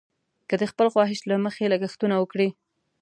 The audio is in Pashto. که د خپل خواهش له مخې لګښتونه وکړي.